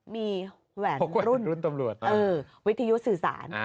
มีแหวนรุ่นวิทยุสื่อสาร